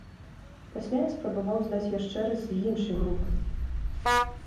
Пасля я спрабаваў здаць яшчэ раз з іншай групай.